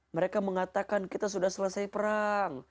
mereka mengatakan kita sudah selesai perang